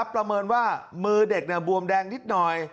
ประเมินว่ามือเด็กบวมแดงนิดหน่อย